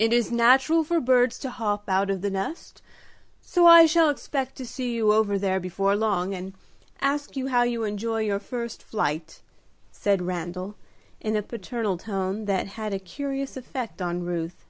"It is natural for birds to hop out of the nest, so I shall expect to see you over there before long, and ask you how you enjoy your first flight," said Randal, in a paternal tone that had a curious effect on Ruth.